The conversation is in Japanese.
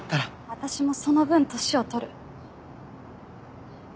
私もその分年を取る。